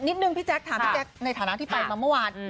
พี่แจ๊คถามพี่แจ๊คในฐานะที่ไปมาเมื่อวาน